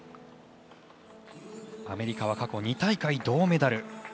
アメリカは過去２大会銅メダル。